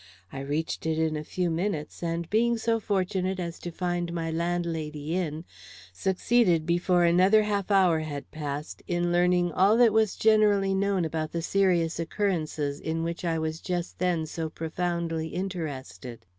I reached it in a few minutes, and being so fortunate as to find my landlady in, succeeded before another half hour had passed in learning all that was generally known about the serious occurrences in which I was just then so profoundly interested.